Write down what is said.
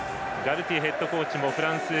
ガルティエヘッドコーチフランス